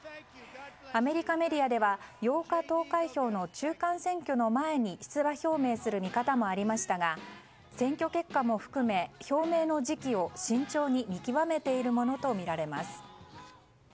アメリカメディアは８日投開票の中間選挙の前に出馬表明する見方もありましたが選挙結果も含め表明の時期を慎重に見極めているものとみられます。